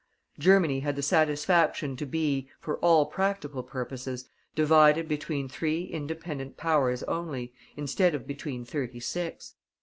Germany had the satisfaction to be, for all practical purposes divided between three independent powers only, instead of between thirty six.